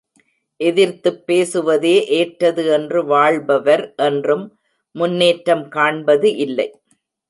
எதிர்த்துப் பேசுவதே ஏற்றது என்று வாழ்பவர் என்றும் முன்னேற்றம் காண்பது இல்லை.